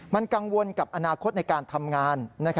มันกังวลกับอนาคตในการทำงาน